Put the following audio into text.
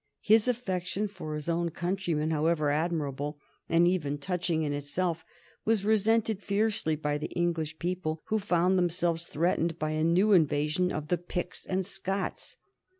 His affection for his own countrymen, however admirable and even touching in itself, was resented fiercely by the English people, who found themselves threatened by a new invasion of the Picts and Scots.